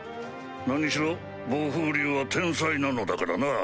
何しろ暴風竜は天災なのだからな。